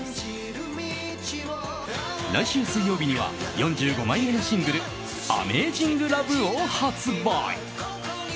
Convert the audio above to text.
来週水曜日には４５枚目のシングル「ＡｍａｚｉｎｇＬｏｖｅ」を発売。